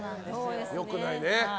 良くないね。